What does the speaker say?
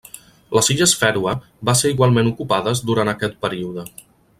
Les Illes Fèroe va ser igualment ocupades durant aquest període.